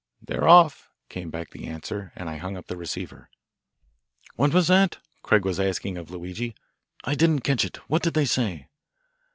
"They're off," came back the answer, and I hung up the receiver. "What was that?" Craig was asking of Luigi. "I didn't catch it. What did they say?"